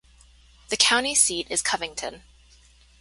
The county seat is Covington.